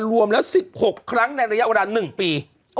รวมแล้ว๑๖ครั้งในระยะเวลา๑ปี